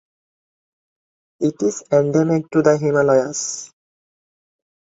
It is endemic to the Himalayas.